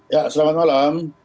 ya selamat malam